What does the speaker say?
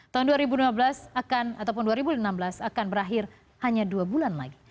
tahun dua ribu enam belas akan berakhir hanya dua bulan lagi